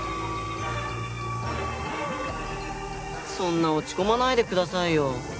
そんな落ち込まないでくださいよ。